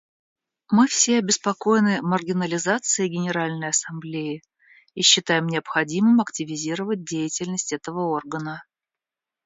Мы все обеспокоены маргинализацией Генеральной Ассамблеи и считаем необходимым активизировать деятельность этого органа.